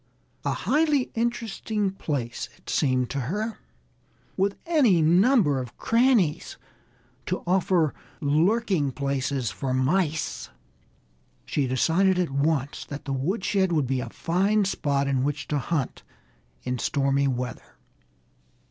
A highly interesting place, it seemed to her, with any number of crannies to offer lurking places for mice. She decided at once that the woodshed would be a fine spot in which to hunt in stormy weather.